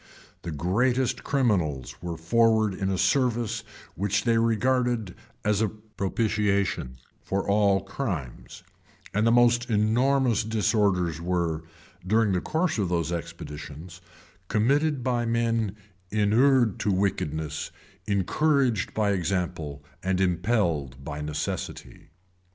[] The greatest criminals were forward in a service which they regarded as a propitiation for all crimes; and the most enormous disorders were, during the course of those expeditions, committed by men inured to wickedness, encouraged by example, and impelled by necessity.